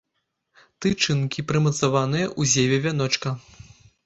Тычынкі прымацаваныя ў зеве вяночка.